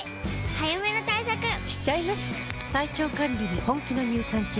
早めの対策しちゃいます。